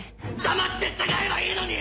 黙って従えばいいのに！